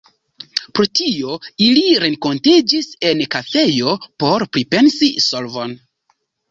Pro tio ili renkontiĝis en kafejo por pripensi solvon.